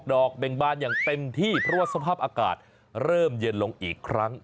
อกเบ่งบานอย่างเต็มที่เพราะว่าสภาพอากาศเริ่มเย็นลงอีกครั้ง